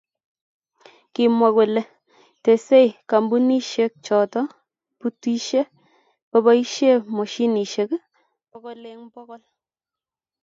Kimwa kole tesei kampunishe choto butishe koboisie moshinishe bokol eng bokol.